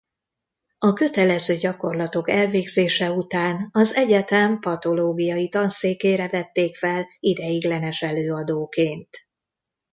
A kötelező gyakorlatok elvégzése után az egyetem patológiai tanszékére vették fel ideiglenes előadóként.